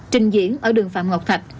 trình diễn ở đường phạm ngọc thạch